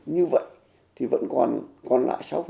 như vậy thì vẫn còn